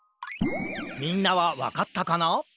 みんなはわかったかな？